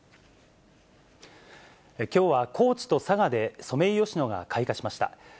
きょうは高知と佐賀でソメイヨシノが開花しました。